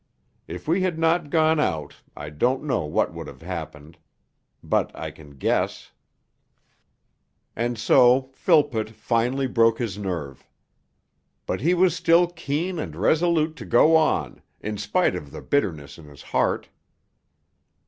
If we had not gone out I don't know what would have happened. But I can guess. II And so Philpott finally broke his nerve. But he was still keen and resolute to go on, in spite of the bitterness in his heart.